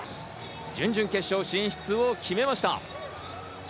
準々決勝進出を決めました。